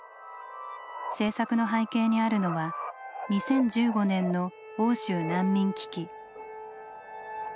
制作の背景にあるのは２０１５年の欧州難民危機。